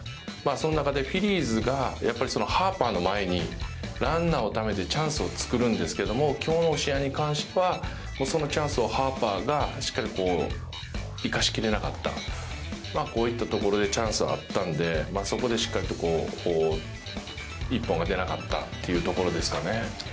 その中でフィリーズがやっぱりハーパーの前にランナーをためて、チャンスを作るんですけど、今日の試合に関してはそのチャンスをハーパーがしっかり生かし切れなかった、こういったところでチャンスはあったんでそこでしっかりと一本が出なかったってところですかね。